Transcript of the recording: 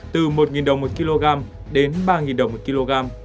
từ một đồng một kg đến ba đồng một kg